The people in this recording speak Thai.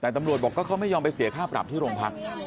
แต่ตำรวจบอกก็เขาไม่ยอมไปเสียค่าปรับที่โรงพัก